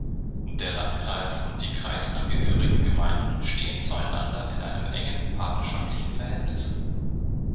Der Landkreis und die kreisangehörigen Gemeinden stehen zueinander in einem engen partnerschaftlichen Verhältnis.